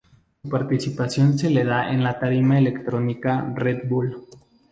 Su participación se da en la tarima electrónica Red Bull.